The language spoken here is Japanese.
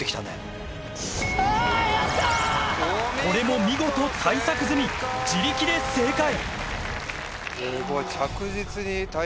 これも見事対策済み自力で正解すごい。